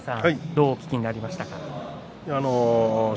どうお聞きになりましたか。